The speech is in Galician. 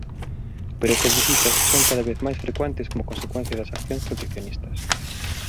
Pero estas visitas son cada vez máis frecuentes como consecuencia das accións proteccionistas.